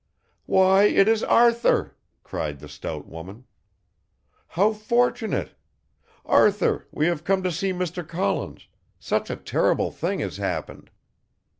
"Why it is Arthur," cried the stout woman. "How fortunate. Arthur, we have come to see Mr. Collins, such a terrible thing has happened."